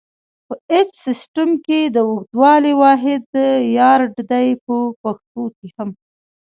په ایچ سیسټم کې د اوږدوالي واحد یارډ دی په پښتو کې هم.